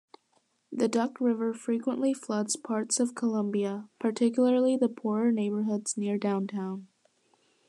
The Duck River frequently floods parts of Columbia, particularly the poorer neighborhoods near downtown.